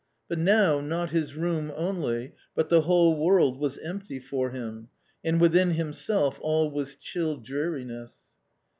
But now, not his room only, but the whole world was empty for him, and within himself all was chill dreari ness.